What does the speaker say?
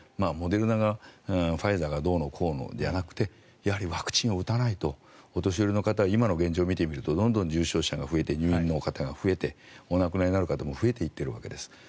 モデルナが、ファイザーがどうのこうのじゃなくてやはりワクチンを打たないとお年寄りの方今の現状を見てみるとどんどん重症の方が増えて入院の方も増えてお亡くなりになる方も増えていっているわけです。